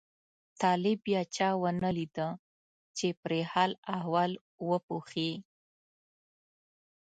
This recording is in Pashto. طالب بیا چا ونه لیده چې پرې حال احوال وپوښي.